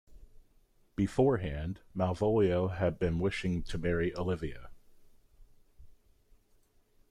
Beforehand, Malvolio had been wishing to marry Olivia.